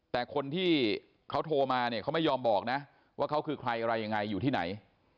แต่คนที่เขาโทรมาเนี่ยเขาไม่ยอมบอกนะว่าเขาคือใครอะไรยังไงอยู่ที่ไหน